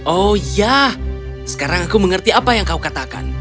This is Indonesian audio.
oh ya sekarang aku mengerti apa yang kau katakan